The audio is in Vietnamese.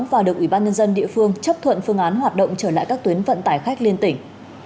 và được ủy ban nhân dân địa phương chấp thuận phương án hoạt động trở lại các tuyến vận tải khách liên tỉnh